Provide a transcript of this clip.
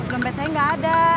dompet saya gak ada